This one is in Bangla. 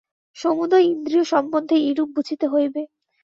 সমুদয় ইন্দ্রিয়-সম্বন্ধেই এইরূপ বুঝিতে হইবে।